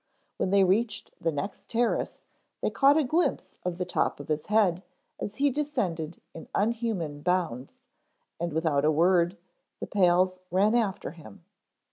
When they reached the next terrace they caught a glimpse of the top of his head as he descended in unhuman bounds, and without a word, the pals ran after him.